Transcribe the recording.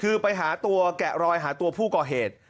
คือไปหาตัวแกะรอยหาตัวผู้ก่อเหตุ